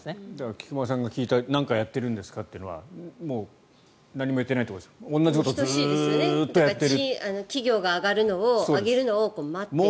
菊間さんが聞いた何かやってるんですかというのは何もやってないということ企業が上げるのを待っていると。